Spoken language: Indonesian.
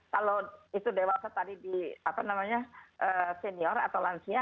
kalau itu dewasa tadi di senior atau lansia